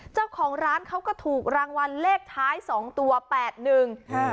เจ้าของร้านเขาก็ถูกรางวัลเลขท้าย๒ตัว๘หนึ่ง